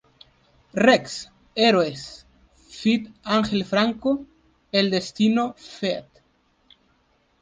Rex, "Heroes" feat Angel Franco, "El Destino" feat.